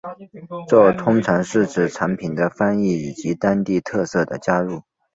这通常是指产品的翻译以及当地特色的加入。